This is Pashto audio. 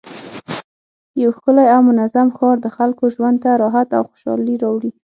یو ښکلی او منظم ښار د خلکو ژوند ته راحت او خوشحالي راوړي